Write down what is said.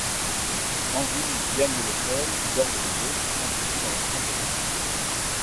Henry gagne l'hôtel où dorment les autres et s'introduit dans la chambre d'Eddie.